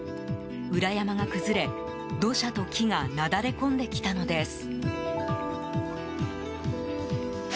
裏山が崩れ、土砂と木がなだれ込んできたのです。